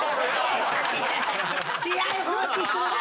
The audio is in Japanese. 試合放棄するな！